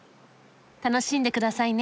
楽しんでくださいね。